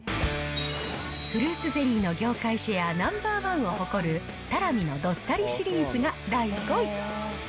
フルーツゼリーの業界シェアナンバー１を誇る、たらみのどっさりシリーズが第５位。